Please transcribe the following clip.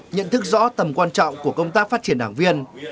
nhận thức rõ tầm quan trọng của công tác phát triển đảng viên